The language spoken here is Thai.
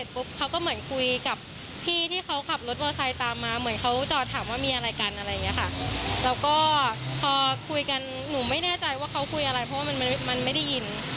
พอเขาคุยเสร็จเขาก็แยกย้าย